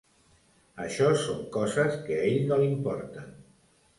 Això són coses que a ell no li importen.